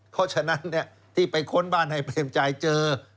เพราะฉะนั้นที่ไปค้นบ้านให้เปรมชัยเจอ